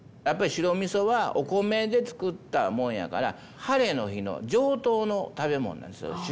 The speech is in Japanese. やっぱり白みそはお米で造ったもんやからハレの日の上等の食べ物なんですよ